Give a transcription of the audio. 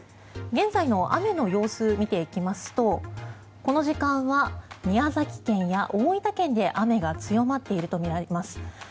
現在の雨の様子を見ていきますとこの時間は宮崎県や大分県で雨が強まっているとみられます。